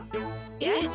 えっ？